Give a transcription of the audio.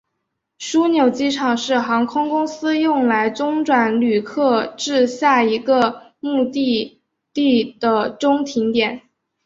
枢纽机场是航空公司用来中转旅客至下一个目的地的中停点。